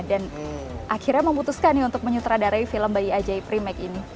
dan akhirnya memutuskan nih untuk menyutradarai film bayi ajaib remake ini